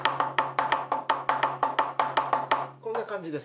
こんな感じです。